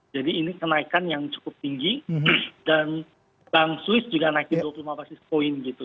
jadi ini kenaikan yang cukup tinggi dan bank swiss juga naikin dua puluh lima basis point gitu